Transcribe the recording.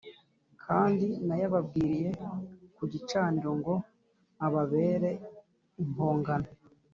Kandi nayabashyiriye ku gicaniro ngo ababere impongano